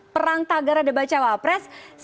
perang tagara debat cawa press